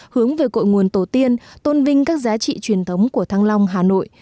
hướng về cội nguồn tổ tiên tôn vinh các giá trị truyền thống của thăng long hà nội